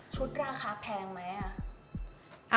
ชุดราคาแพงไหมอะ